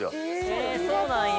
へぇそうなんや。